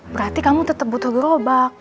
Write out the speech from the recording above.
berarti kamu tetap butuh gerobak